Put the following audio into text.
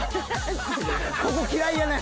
ここ嫌いやねん。